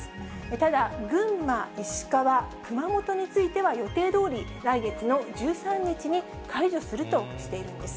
ただ、群馬、石川、熊本については、予定どおり来月の１３日に解除するとしているんです。